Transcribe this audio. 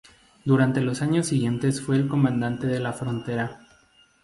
Durante los años siguientes fue el comandante de la frontera.